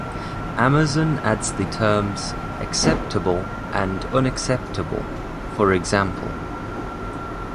Amazon adds the terms "acceptable" and "unacceptable", for example.